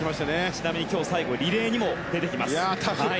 ちなみに今日、最後のリレーにも出てきます。